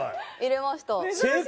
入れました。